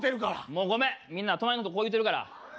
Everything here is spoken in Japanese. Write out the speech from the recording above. もうごめんみんな隣の人こう言うてるから。